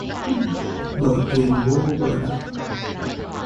Bợ thuyền vô bờ đậu